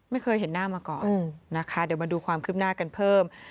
ไม่เคยเห็นหน้ามาก่อนนะคะเดี๋ยวมาดูความคืบหน้ากันเพิ่ม